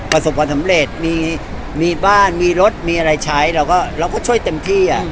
ประสบความสำเร็จมีบ้านมีรถมีอะไรใช้เราก็ช่วยเต็มที่